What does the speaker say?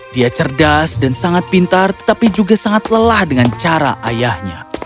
dia cerdas dan sangat pintar tetapi juga sangat lelah dengan cara ayahnya